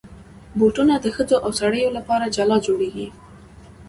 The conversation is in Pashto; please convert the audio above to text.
بوټونه د ښځو او سړیو لپاره جلا جوړېږي.